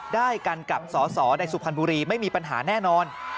ได้กันกับสอสอในสุพรรณบุรีไม่มีปัญหาแน่นอน